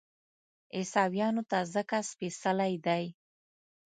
عیسویانو ته ځکه سپېڅلی دی.